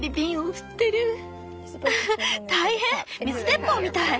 フフッ大変水鉄砲みたい。